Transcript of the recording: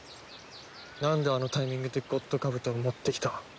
なんであのタイミングでゴッドカブトを持ってきた？